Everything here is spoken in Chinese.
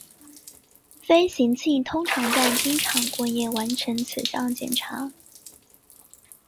飞行器通常在机场过夜完成此项检查。